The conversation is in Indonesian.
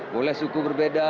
boleh suku berbeda